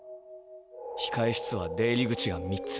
ひかえ室は出入り口が３つ。